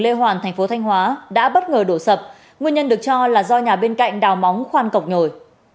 các ngôi nhà bên cạnh của thành phố thanh hóa đã bất ngờ đổ sập nguyên nhân được cho là do nhà bên cạnh đào móng khoan cọc nhồi